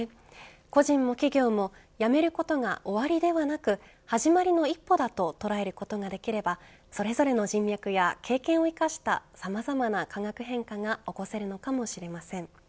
個人も企業も辞めることが終わりではなく始まりの一歩だと捉えることができればそれぞれの人脈や経験を生かしたさまざまな化学変化が起こせるのかもしれません。